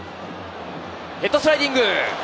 ヘッドスライディング！